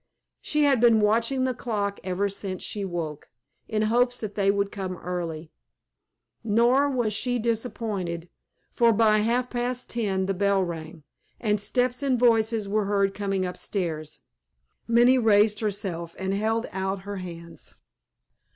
She had been watching the clock ever since she woke, in hopes that they would come early; nor was she disappointed, for by half past ten the bell rang, and steps and voices were heard coming upstairs. Minnie raised herself, and held out her hands.